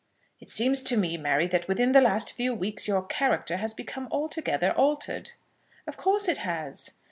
"It seems to me, Mary, that within the last few weeks your character has become altogether altered." "Of course it has."